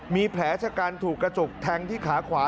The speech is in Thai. มีแผลชะกันถูกกระจกแทงที่ขาขวา